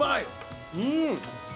うん！